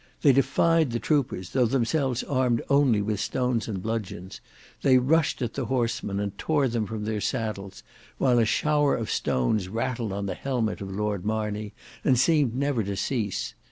They defied the troopers, though themselves armed only with stones and bludgeons; they rushed at the horsemen and tore them from their saddles, while a shower of stones rattled on the helmet of Lord Marney and seemed never to cease.